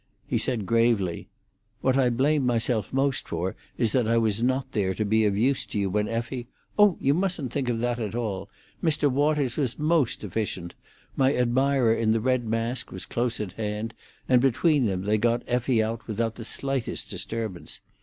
He said gravely, "What I blame myself most for is that I was not there to be of use to you when Effie——" "Oh, you mustn't think of that at all. Mr. Waters was most efficient. My admirer in the red mask was close at hand, and between them they got Effie out without the slightest disturbance.